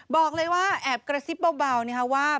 บอกเลยว่าแอบกระซิบเบานะคะว่า